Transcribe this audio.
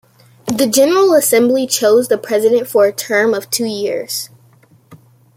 The General Assembly chose the President for a term of two years.